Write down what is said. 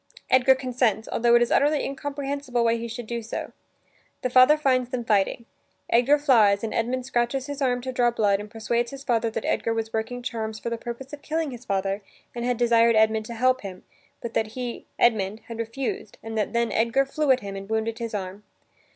Edgar consents, altho it is utterly incomprehensible why he should do so. The father finds them fighting. Edgar flies and Edmund scratches his arm to draw blood and persuades his father that Edgar was working charms for the purpose of killing his father and had desired Edmund to help him, but that he, Edmund, had refused and that then Edgar flew at him and wounded his arm.